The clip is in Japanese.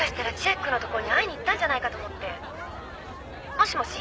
☎もしもし？